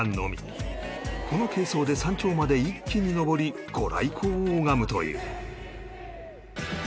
この軽装で山頂まで一気に登り御来光を拝むという